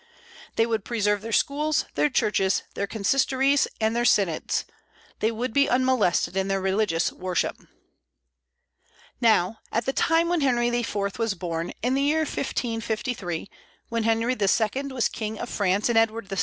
They would preserve their schools, their churches, their consistories, and their synods; they would be unmolested in their religious worship. Now, at the time when Henry IV. was born, in the year 1553, when Henry II. was King of France and Edward VI.